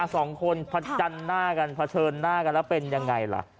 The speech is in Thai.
สองคนผัดชันหน้ากันผัดเชิญหน้ากันแล้วเป็นอย่างไรล่ะ